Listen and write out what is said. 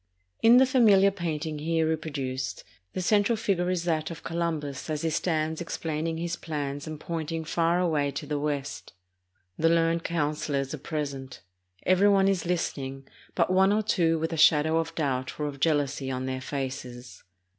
In the familiar painting here reproduced, the central figure is that of Columbus as he stands explaining his plans and pointing far away to the west. The learned councilors are present. Every one is listening, but one or two with a shadow of doubt or of jealousy on their faces.